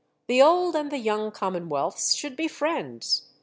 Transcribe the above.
The old and the young Commonwealths should be friends.